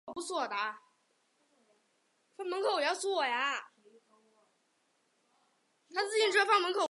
万寿西宫现为西城区普查登记文物。